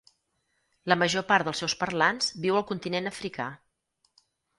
La major part dels seus parlants viu al continent africà.